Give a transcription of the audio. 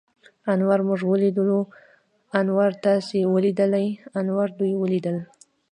انور موږ وليدلو. انور تاسې وليدليٙ؟ انور دوی وليدل.